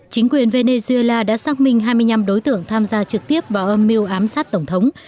chính quyền venezuela đã xác minh hai mươi năm đối tượng tham gia trực tiếp vào âm mưu ám sát tổng thống